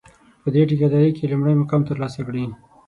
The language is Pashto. په دې ټېکه داري کې لومړی مقام ترلاسه کړي.